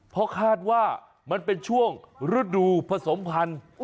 เพราะคาดว่ามันเป็นช่วงฤดูผสมพันธุ์